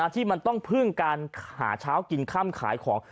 ที่มันต้องพึ่งการหาเช้ากินค่ำขายของ